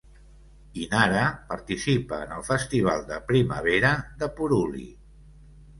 Inara participa en el festival de primavera de Puruli.